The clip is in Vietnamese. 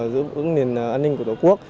giữ ứng nền an ninh của tổ quốc